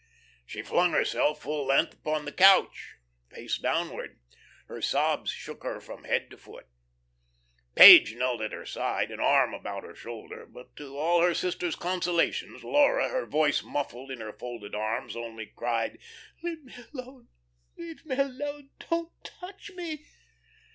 She flung herself full length upon the couch, face downward. Her sobs shook her from head to foot. Page knelt at her side, an arm about her shoulder, but to all her sister's consolations Laura, her voice muffled in her folded arms, only cried: "Let me alone, let me alone. Don't touch me."